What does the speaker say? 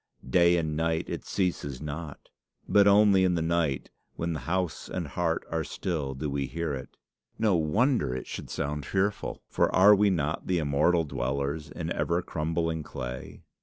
Day and night it ceases not; but only in the night, when house and heart are still, do we hear it. No wonder it should sound fearful! for are we not the immortal dwellers in ever crumbling clay?